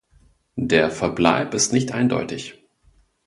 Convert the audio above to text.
Der Verbleib ist nicht eindeutig.